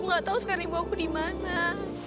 aku gak tau sekarang ibu aku dimana